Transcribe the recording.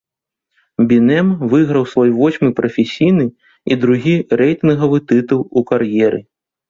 Бінэм выйграў свой восьмы прафесійны і другі рэйтынгавы тытул у кар'еры.